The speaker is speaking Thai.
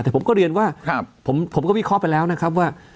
แต่ผมก็เรียนว่าผมก็วิเคราะห์ไปแล้วนะครับว่า